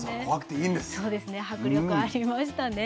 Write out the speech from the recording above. そうですね迫力ありましたね。